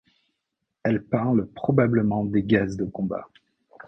Elle parle probablement des gaz de combat.